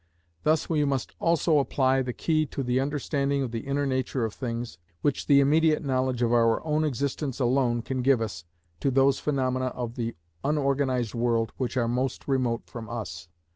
Thus we must also apply the key to the understanding of the inner nature of things, which the immediate knowledge of our own existence alone can give us, to those phenomena of the unorganised world which are most remote from us.